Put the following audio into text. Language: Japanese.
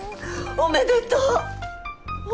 おめでとう！